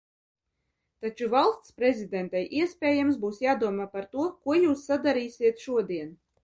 Taču Valsts prezidentei, iespējams, būs jādomā par to, ko jūs sadarīsiet šodien.